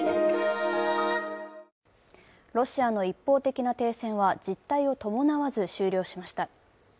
ロシアの一方的な停戦は実態を伴わず終了しました。